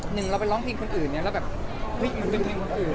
หนึ่งเราไปร้องเพลงคนอื่นเนี่ยแล้วแบบเฮ้ยมันเป็นเพลงคนอื่น